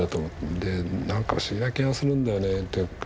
でなんか不思議な気がするんだよねって。